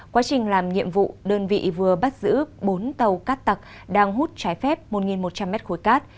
quá trình làm nhiệm vụ đơn vị vừa bắt giữ bốn tàu cát tặc đang hút trái phép một một trăm linh mét khối cát